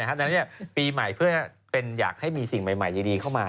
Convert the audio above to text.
ไม่ใช่นะครับแต่อันนี้ปีใหม่เพื่ออยากให้มีสิ่งใหม่ดีเข้ามา